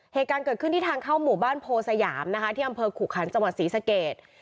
เหตุการณ์เกิดขึ้นที่ทางเข้าหมู่บ้านโพสยามนะคะที่อำเภอขุขันจังหวัดศรีสเกต